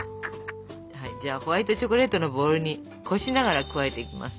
じゃあホワイトチョコレートのボウルにこしながら加えていきます。